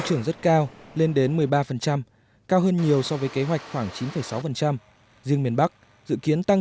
trưởng rất cao lên đến một mươi ba cao hơn nhiều so với kế hoạch khoảng chín sáu riêng miền bắc dự kiến tăng